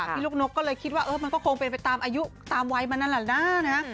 พี่ลูกนกก็เลยคิดว่ามันก็คงเป็นไปตามอายุตามวัยมันนั่นแหละนะ